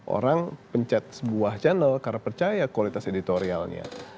orang pencet sebuah channel karena percaya kualitas editorialnya